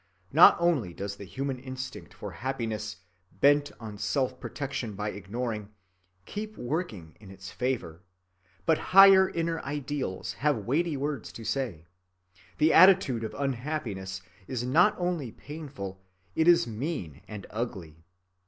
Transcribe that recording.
Not only does the human instinct for happiness, bent on self‐ protection by ignoring, keep working in its favor, but higher inner ideals have weighty words to say. The attitude of unhappiness is not only painful, it is mean and ugly.